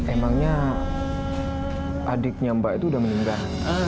emangnya adiknya mbak itu udah meninggal